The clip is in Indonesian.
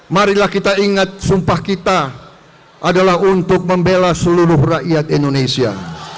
marilah kita ingat sumpah kita adalah untuk membela seluruh rakyat indonesia